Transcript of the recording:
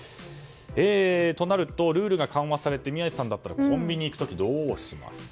となるとルールが緩和されて宮司さんだったらコンビニに行く時、どうしますか。